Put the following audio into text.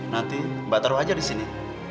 nanti mbak taruh aja di sini